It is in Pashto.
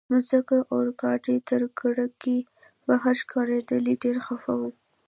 مځکه د اورګاډي تر کړکۍ بهر ښکارېدل، ډېر خفه وم.